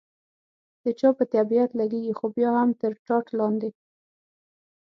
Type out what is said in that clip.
د چا په طبیعت لګېږي، خو بیا هم تر ټاټ لاندې.